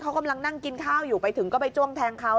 เขากำลังนั่งกินข้าวอยู่ไปถึงก็ไปจ้วงแทงเขา